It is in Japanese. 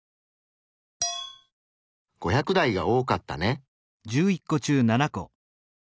５００台が多かったね。